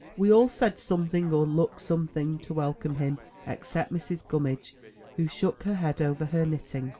*' We all said something, or looked something, to welcome him, except Mrs. Gummidge, who shook her head over her knitting.